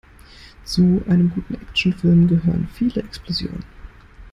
Zu einem guten Actionfilm gehören viele Explosionen.